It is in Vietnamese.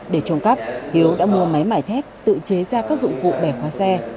để trộm cắp hiếu đã mua máy mải thép tự chế ra các dụng cụ bẻ khóa xe